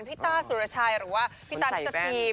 พี่ต้าสุรชัยหรือว่าพี่ต้านิสสีม